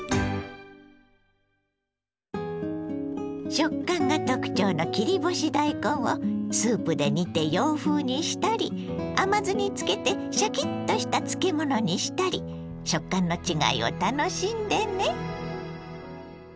食感が特徴の切り干し大根をスープで煮て洋風にしたり甘酢に漬けてシャキッとした漬物にしたり食感の違いを楽しんでね。